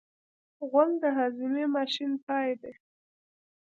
غول د هاضمې ماشین پای دی.